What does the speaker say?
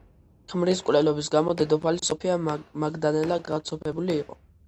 ქმრის მკვლელობის გამო დედოფალი სოფია მაგდალენა გაცოფებული იყო.